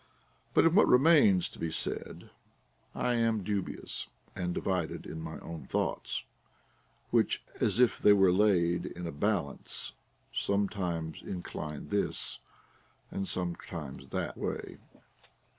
But in what remains to be said, I am dubious and divided in my own thoughts, which, as if they were laid in a balance, sometimes incline this, and sometimes that way.